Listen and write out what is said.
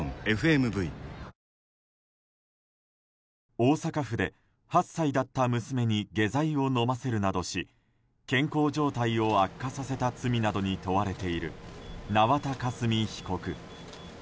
大阪府で８歳だった娘に下剤を飲ませるなどし健康状態を悪化させた罪などに問われている縄田佳純被告。